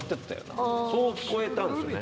そう聞こえたんですよね。